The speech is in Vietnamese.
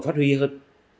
phát huy hơn